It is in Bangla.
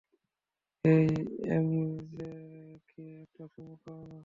হেই, এমজেকে একটা চুমু খাও না।